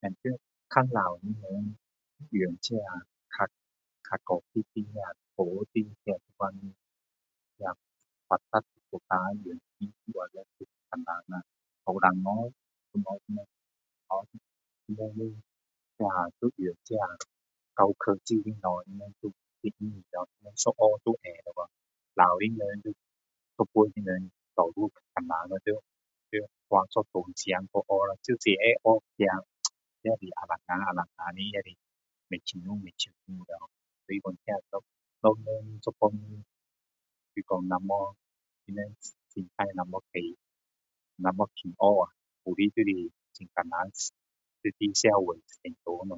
比较老的人，用比较高级的科学的 [unintelligible] 发达国家 [unintelligible] [unintelligible] 比较困难啦。年轻人 [unintelligible] [unintelligible] 用这高科技的东西， [unintelligible] [unintelligible] 学一下就会了啊。较老的人,要帮他们多数都很艰难咯，要，要花一段时间去学啦。就是去学了， [unintelligible] 也是alang alang 的，也是不清楚，不清楚的。所以说这老人一帮就说若没有，他们心态若没改变,若没肯去学，有的就会很难在这社会生存了。